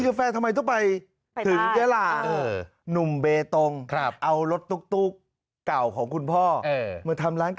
ว้ายกินกาแฟทำไมต้องไป